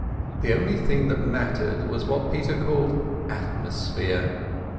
The only thing that mattered was what Peter called "atmosphere".